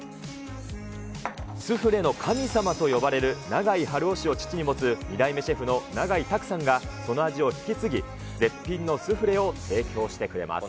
スフレの神様と呼ばれる、永井はるお氏を父に持つ、２代目シェフの永井琢さんがその味を引き継ぎ、絶品のスフレを提供してくれます。